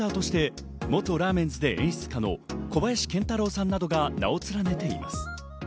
クリエイターとして元ラーメンズで演出家の小林賢太郎さんなどが名を連ねています。